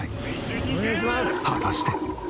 果たして？